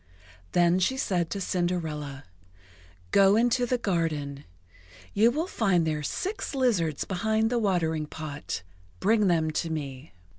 Then she said to Cinderella: "Go into the garden. You will find there six lizards behind the watering pot. Bring them to me."